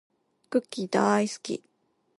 クッキーだーいすき